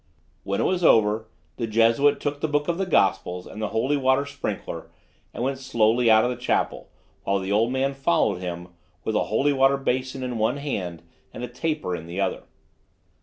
When it was over, the Jesuit took the book of the Gospels and the holy water sprinkler, and went slowly out of the chapel, while the old man followed him, with a holy water basin in one hand and a taper in the other.